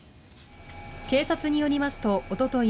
警察によりますと、おととい